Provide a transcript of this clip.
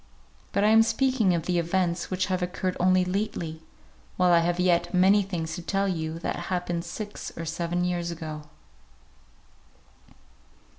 But I am speaking of the events which have occurred only lately, while I have yet many things to tell you that happened six or seven years ago.